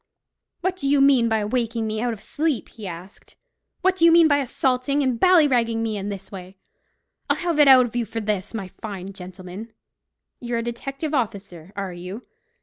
"What do you mean by waking me out of sleep?" he asked. "What do you mean by assaulting and ballyragging me in this way? I'll have it out of you for this, my fine gentleman. You're a detective officer, are you?